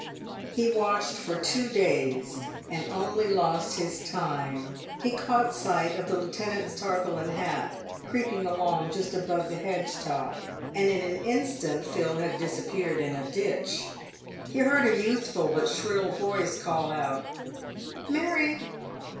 He watched for two days, and only lost his time. He caught sight of the lieutenant's tarpaulin hat, creeping along just above the hedge top, and in an instant Phil had disappeared in a ditch. He heard a youthful but shrill voice call out " Mary